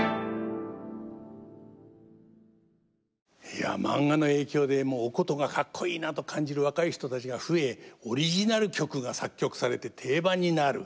いやマンガの影響でお箏がカッコイイなと感じる若い人たちが増えオリジナル曲が作曲されて定番になる。